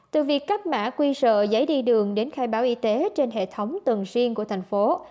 từ việc cắt mạng quý rờ giấy đi đường đến khai báo y tế trên hệ thống tầng riêng của thành phố